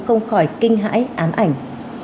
không khỏi kinh hãi ám ảnh